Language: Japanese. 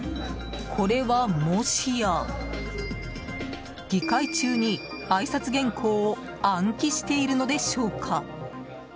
これは、もしや議会中にあいさつ原稿を暗記しているのでしょうか。